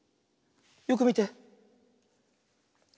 よくみて。